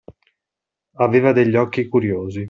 Aveva degli occhi curiosi.